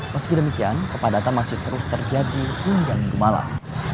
meski demikian kepadatan masih terus terjadi hingga minggu malam